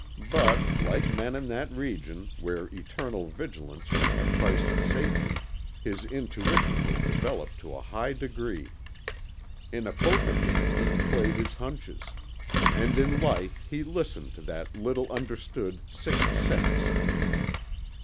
But, like men in that region, where eternal vigilance was the price of safety, his intuition was developed to a high degree. In a poker game he played his hunches. And in life he listened to that little understood sixth sense.